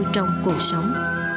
trong cuộc sống